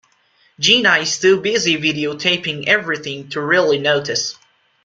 Gina is too busy videotaping everything to really notice.